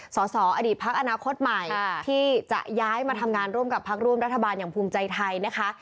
สอสออดีตพักอนาคตใหม่ที่จะย้ายมาทำงานร่วมกับพักร่วมรัฐบาลอย่างภูมิใจไทยนะคะ